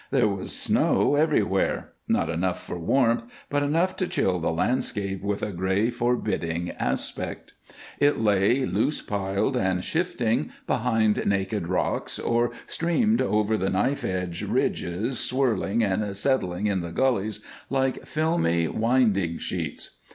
There was snow everywhere; not enough for warmth, but enough to chill the landscape with a gray, forbidding aspect. It lay, loose piled and shifting, behind naked rocks, or streamed over the knife edge ridges, swirling and settling in the gullies like filmy winding sheets.